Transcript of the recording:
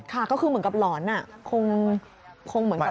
ค่ะก็คือเหมือนกับหลอนคงเหมือนกับ